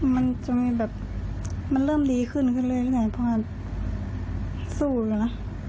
มันจะมีแบบมันเริ่มดีขึ้นขึ้นเลยเลยนะเพราะว่าสู้แล้วละ